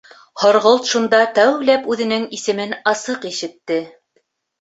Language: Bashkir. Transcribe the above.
Һорғолт шунда тәүләп үҙенең исемен асыҡ ишетте.